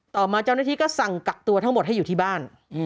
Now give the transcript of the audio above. ต่อมาเจ้าหน้าที่ก็สั่งกักตัวทั้งหมดให้อยู่ที่บ้าน